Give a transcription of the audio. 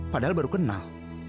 padahal baru kenal